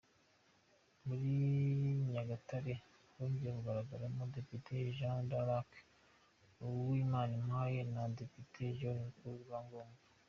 Muri nyagatare hongeye kugaragaramo Depite Jeanne d’Arc Uwimanimpaye na Depite John Ruku-Rwabyoma.